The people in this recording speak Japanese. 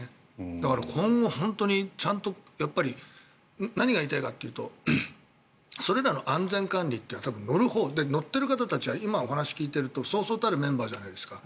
だから、今後ちゃんと何が言いたいかというとそれらの安全管理というのは多分、乗るほう乗ってる方たちは今、お話を聞いているとそうそうたるメンバーじゃないですか。